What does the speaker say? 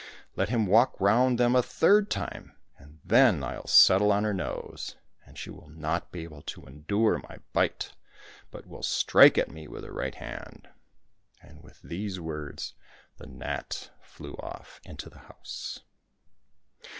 Let him walk round them a third time, and then I'll settle on her nose, and she will not be able to endure my bite, but will strike at me with her right hand." And with these words the gnat flew off into the house.